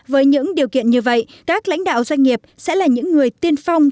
với những điều kiện như vậy các lãnh đạo doanh nghiệp sẽ là những người tiên phong